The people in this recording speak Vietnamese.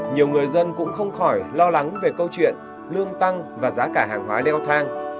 nhiều người dân cũng không khỏi lo lắng về câu chuyện lương tăng và giá cả hàng hóa leo thang